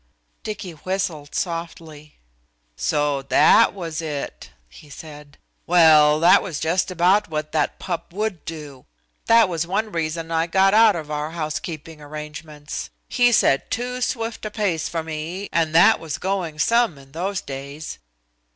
Dicky whistled softly. "So that was it?" he said. "Well that was just about what that pup would do. That was one reason I got out of our housekeeping arrangements. He set too swift a pace for me, and that was going some in those days."